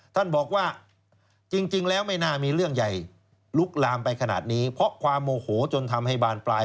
ท่านบอกว่าจริงแล้วไม่น่ามีเรื่องใหญ่ลุกลามไปขนาดนี้เพราะความโมโหจนทำให้บานปลาย